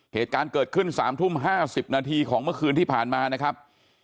เหตุการณ์เกิดขึ้น๓ทุ่ม๕๐นาทีของเมื่อคืนที่ผ่านมานะครับ